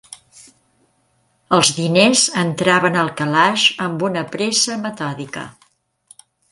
Els diners entraven al calaix amb una pressa metòdica